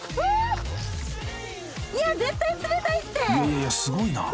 ［いやいやすごいな。